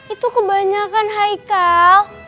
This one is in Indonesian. itu kebanyakan haikal